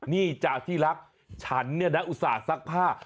นี่จากที่รักฉันเนี่ยนะอุตส่าห์ซักผ้า